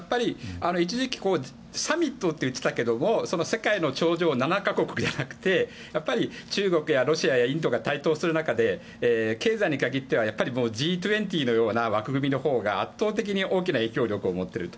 一時期サミットと言っていましたが世界の頂上７か国じゃなくて中国、ロシア、インドが台頭する中で経済に限ってはＧ２０のような枠組みのほうが圧倒的に大きな意義があると。